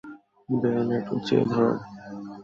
Bayonet উঁচিয়ে ধরো!